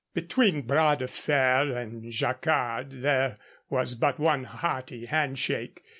Between Bras de Fer and Jacquard there was but one hearty hand shake.